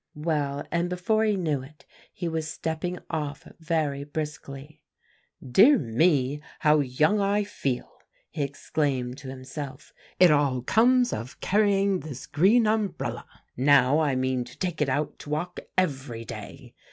"Well, and before he knew it, he was stepping off very briskly. 'Dear me, how young I feel!' he exclaimed to himself. 'It all comes of carrying this green umbrella; now I mean to take it out to walk every day.